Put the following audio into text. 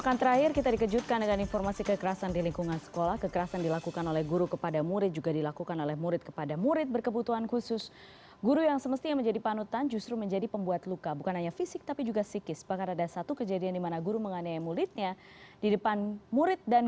nah ketika kemudian itu tidak ada anak buahnya juga yang melapor